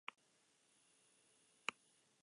Hegoaldean jaio eta iparralderantz jotzen du.